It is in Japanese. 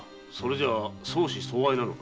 じゃ相思相愛なのか。